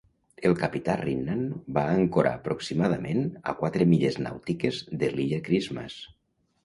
El capità Rinnan va ancorar aproximadament a quatre milles nàutiques de l'illa Christmas.